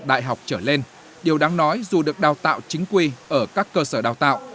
đại học trở lên điều đáng nói dù được đào tạo chính quy ở các cơ sở đào tạo